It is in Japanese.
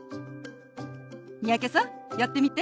三宅さんやってみて。